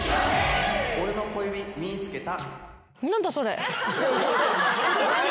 俺の小指見つけた。